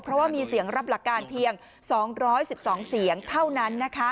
เพราะว่ามีเสียงรับหลักการเพียง๒๑๒เสียงเท่านั้น